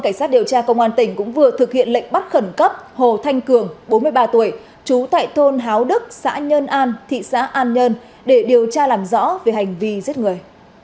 cảnh sát điều tra công an tỉnh cũng vừa thực hiện lệnh bắt khẩn cấp hồ thanh cường bốn mươi ba tuổi trú tại thôn háo đức xã nhân an thị xã an nhơn để điều tra làm rõ về hành vi giết người